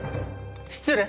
失礼。